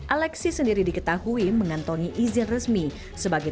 alexis sendiri diketahui mengantongi izin resmi